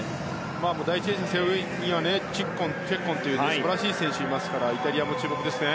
第１泳者、背泳ぎにはチェッコンという素晴らしい選手がいますからイタリアも注目ですね。